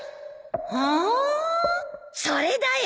うん？それだよ。